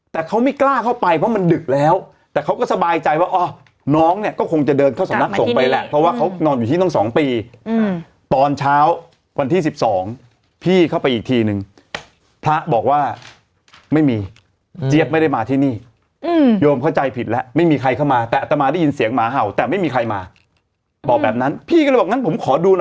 แต่เขาไม่กล้าเข้าไปเพราะมันดึกแล้วแต่เขาก็สบายใจว่าอ๋อน้องเนี่ยก็คงจะเดินเข้าสำนักส่งไปแหละเพราะว่าเขานอนอยู่ที่ต้องสองปีตอนเช้าวันที่๑๒พี่เข้าไปอีกทีนึงพระบอกว่าไม่มีเจี๊ยบไม่ได้มาที่นี่โยมเข้าใจผิดแล้วไม่มีใครเข้ามาแต่อัตมาได้ยินเสียงหมาเห่าแต่ไม่มีใครมาบอกแบบนั้นพี่ก็เลยบอกงั้นผมขอดูหน่อย